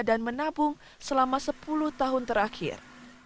dan menabung selama sepuluh tahun terakhir